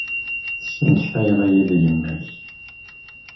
Tesmaktayeḍ-iyi-d yemma-k.